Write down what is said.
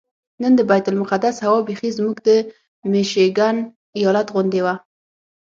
نن د بیت المقدس هوا بیخي زموږ د میشیګن ایالت غوندې وه.